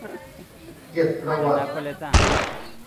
เกียรติประวัติ